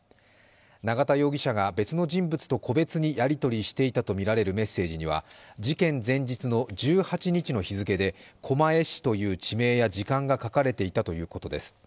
永田容疑者が別の人物と個別にやり取りしていたとみられるメッセージには事件前日の１８日の日付で狛江市という地名や時間が書かれていたということです。